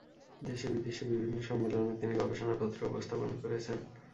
দেশে-বিদেশে বিভিন্ন সম্মেলনে তিনি গবেষণাপত্র উপস্থাপন করেছেন।